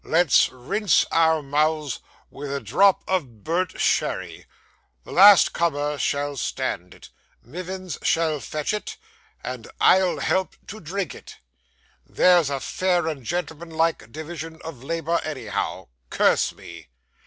Let's rinse our mouths with a drop of burnt sherry; the last comer shall stand it, Mivins shall fetch it, and I'll help to drink it. That's a fair and gentlemanlike division of labour, anyhow. Curse me!